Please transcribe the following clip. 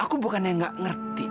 aku bukan yang gak ngerti